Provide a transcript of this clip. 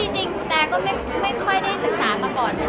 จริงแต่ก็ไม่ค่อยได้ศึกษามาก่อน